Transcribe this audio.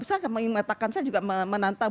saya akan mengatakan saya juga menantang